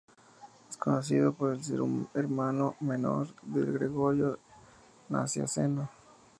Es conocido por ser el hermano menor de Gregorio Nacianceno.